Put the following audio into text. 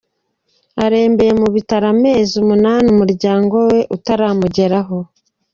Arembeye mu bitaro amezi umunani umuryango we utaramugeraho